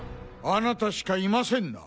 あなたしかいませんな！